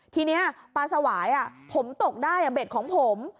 ทีนี้ปลาสวายผมตกได้เบ็ดของผม